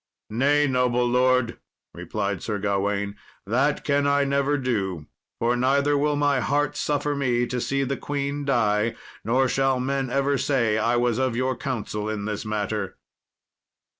"Nay, noble lord," replied Sir Gawain, "that can I never do; for neither will my heart suffer me to see the queen die, nor shall men ever say I was of your counsel in this matter."